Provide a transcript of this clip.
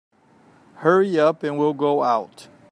Hurry up and we'll go out.